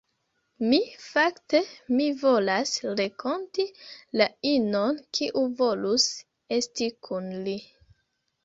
Mi, fakte, Mi volas renkonti la inon kiu volus esti kun li